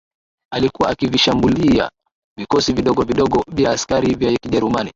alikuwa akivishambulia vikosi vidogo vidogo vya askari vya Kijerumani